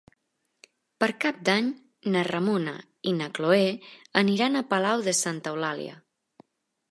Per Cap d'Any na Ramona i na Cloè aniran a Palau de Santa Eulàlia.